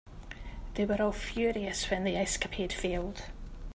They were all furious when the escapade failed.